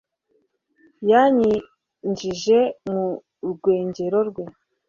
yanyinjije mu rwengero rwe